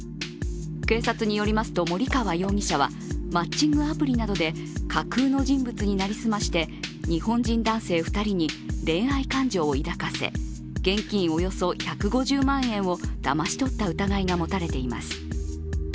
警察によりますと、森川容疑者はマッチングアプリなどで架空の人物に成り済まして日本人男性２人に恋愛感情を抱かせ、現金およそ１５０万円をだまし取った疑いが持たれています。